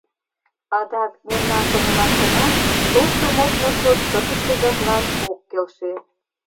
Адак, мемнан шонымаштына, тошто модмо шот кызытсе жаплан ок келше.